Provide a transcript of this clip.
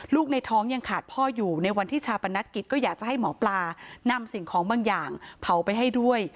ในท้องยังขาดพ่ออยู่ในวันที่ชาปนกิจก็อยากจะให้หมอปลานำสิ่งของบางอย่างเผาไปให้ด้วย